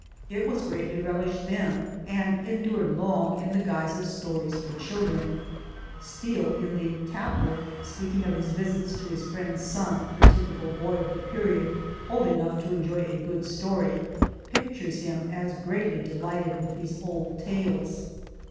It was greatly relished then and endured long in 104 ;«l|*««<* Villahermosa. Monteil the guise of stories for children (Steele, in The Tattler," speaking of his visits to his friend's son — the typical boy of the period, old enough to enjoy a good story — pictures him as greatly delighted with these old tales).